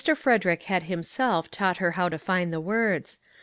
Frederick had himself taught her how to find the words.